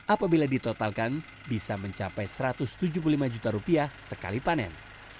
apabila ditotalkan bisa mencapai satu ratus tujuh puluh lima juta rupiah sekali panen